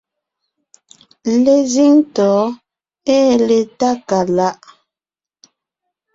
Lezíŋ tɔ̌ɔn ée le Tákaláʼ;